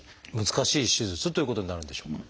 難しい手術ということになるんでしょうか？